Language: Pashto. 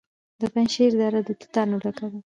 د پنجشیر دره د توتانو ډکه ده.